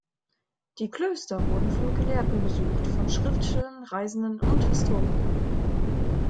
Die Klöster wurden von Gelehrten besucht, von Schriftstellern, Reisenden und Historikern.